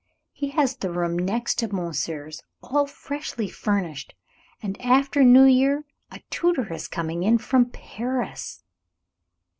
He has the room next to monsieur's, all freshly furnished, and after New Year a tutor is coming from Paris.